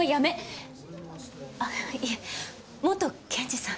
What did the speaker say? あいえ元検事さん。